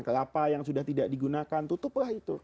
kelapa yang sudah tidak digunakan tutuplah itu